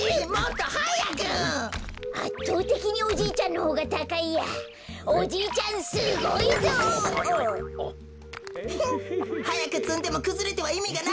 フンはやくつんでもくずれてはいみがないのです。